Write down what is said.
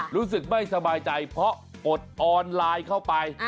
รู้สึกไม่สบายใจเพราะอดออนไลน์เข้าไป